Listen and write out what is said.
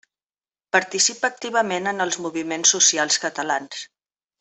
Participa activament en els moviments socials catalans.